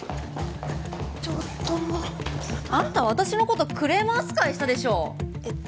ちょっとあんた私のことクレーマー扱いしたでしょうえ